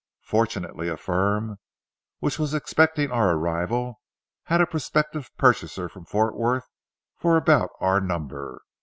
Fortunately a firm, which was expecting our arrival, had a prospective purchaser from Fort Worth for about our number.